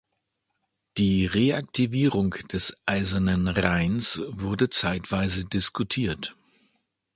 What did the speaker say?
Die Reaktivierung des Eisernen Rheins wurde zeitweise diskutiert.